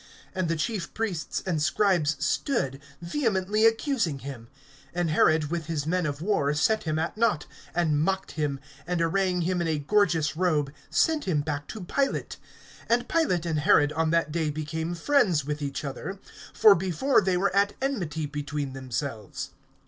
(10)And the chief priests and scribes stood, vehemently accusing him. (11)And Herod with his men of war set him at naught, and mocked him, and arraying him in a gorgeous robe sent him back to Pilate. (12)And Pilate and Herod on that day became friends with each other; for before they were at enmity between themselves.